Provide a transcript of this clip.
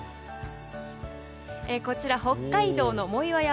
こちら北海道のもいわ山。